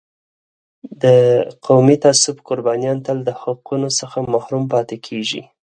د قومي تعصب قربانیان تل د حقونو څخه محروم پاتې کېږي.